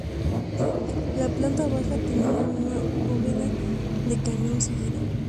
La planta baja tenía una bóveda de cañón seguida.